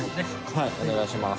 はいお願いします